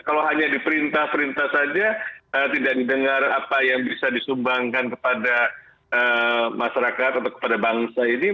kalau hanya diperintah perintah saja tidak didengar apa yang bisa disumbangkan kepada masyarakat atau kepada bangsa ini